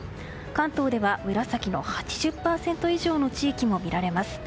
関東では紫の８０％以上の地域も見られます。